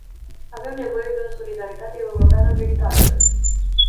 Avem nevoie de o solidaritate europeană veritabilă.